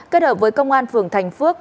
kết hợp với công an phường thành phước